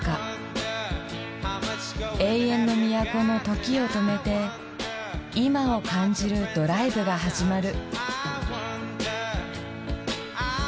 永遠の都の時を止めて今を感じるドライブが始まる。